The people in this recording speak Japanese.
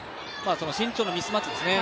身長のミスマッチですね。